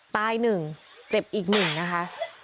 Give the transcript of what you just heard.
ตายหนึ่งเจ็บอีกหนึ่งนะคะ